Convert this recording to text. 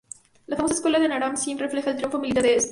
La famosa estela de Naram-Sin refleja el triunfo militar de este.